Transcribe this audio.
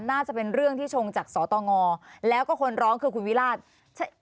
น่าจะเป็นเรื่องที่ชงจากสตงแล้วก็คนร้องคือคุณวิราช